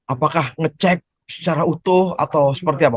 apakah ngecek secara utuh atau seperti apa